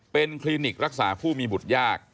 เป็นคลินิกรักษาผู้มีบุตรยาก